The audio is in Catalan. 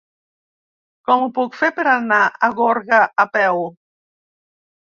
Com ho puc fer per anar a Gorga a peu?